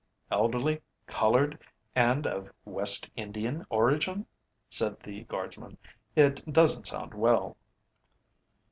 "Elderly, coloured, and of West Indian origin?" said the Guardsman. "It doesn't sound well."